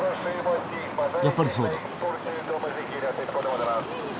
やっぱりそうだ。